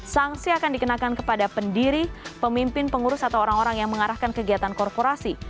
sanksi akan dikenakan kepada pendiri pemimpin pengurus atau orang orang yang mengarahkan kegiatan korporasi